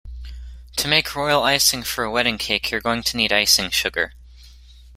To make royal icing for a wedding cake you’re going to need icing sugar